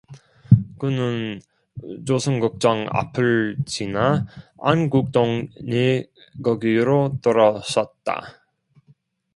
그는 조선극장 앞을 지나 안국동 네거리로 들어섰다.